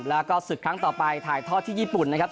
แล้วก็ศึกครั้งต่อไปถ่ายทอดที่ญี่ปุ่นนะครับ